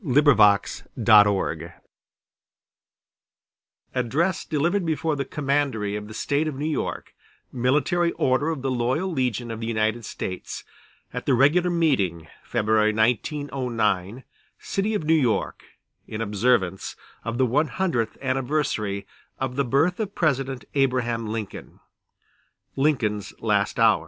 Leale New York ADDRESS DELIVERED BEFORE THE COMMANDERY OF THE STATE OF NEW YORK Military Order of the Loyal Legion of the United States at the regular meeting, February, 1909, City of New York IN OBSERVANCE OF THE ONE HUNDREDTH ANNIVERSARY OF THE BIRTH OF President Abraham Lincoln Lincoln's Last Hours By Charles A.